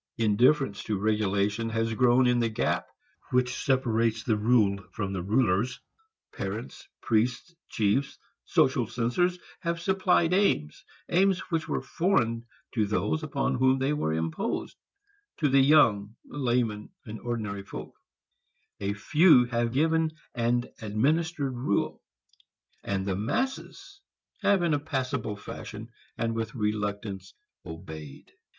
Indifference to regulation has grown in the gap which separates the ruled from the rulers. Parents, priests, chiefs, social censors have supplied aims, aims which were foreign to those upon whom they were imposed, to the young, laymen, ordinary folk; a few have given and administered rule, and the mass have in a passable fashion and with reluctance obeyed.